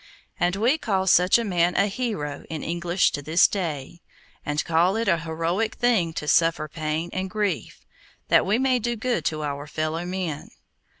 And we call such a man a hero in English to this day, and call it a 'heroic' thing to suffer pain and grief, that we may do good to our fellow men.